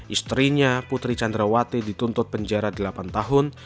istrinya putri candrawati dituntut penjara delapan tahun